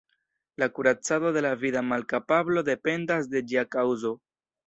La kuracado de la vida malkapablo dependas de ĝia kaŭzo.